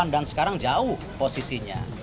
dan sekarang jauh posisinya